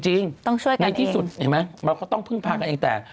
จริงในที่สุดมันก็ต้องพึ่งพากันอย่างแต่